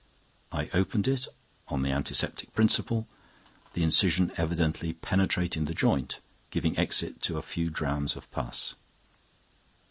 I opened it on the antiseptic principle, the incision evidently penetrating to the joint, giving exit to a few drachms of pus.